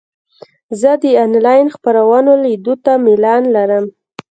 زه د انلاین خپرونو لیدو ته میلان لرم.